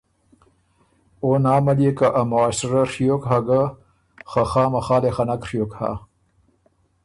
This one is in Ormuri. او نامه ليې که ا معاشره ڒیوک هۀ ګۀ، خه ماخه ليې خه نک ڒیوک هۀ۔